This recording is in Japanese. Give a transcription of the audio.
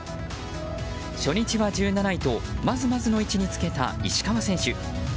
初日は１７位とまずまずの位置につけた石川選手。